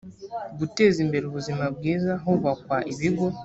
guteza imbere ubuzima bwiza hubakwa ibigo